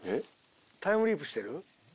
タイムリープしてる？